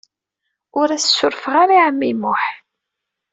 Ur as-ssurufeɣ ara i ɛemmi Muḥ.